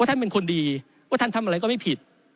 ท่านเป็นคนดีว่าท่านทำอะไรก็ไม่ผิด